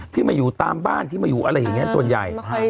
ที่มาอยู่ตามบ้านที่มาอยู่อะไรอย่างนี้ส่วนใหญ่